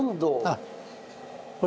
あっこれ。